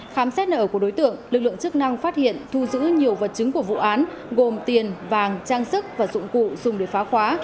khám xét nợ của đối tượng lực lượng chức năng phát hiện thu giữ nhiều vật chứng của vụ án gồm tiền vàng trang sức và dụng cụ dùng để phá khóa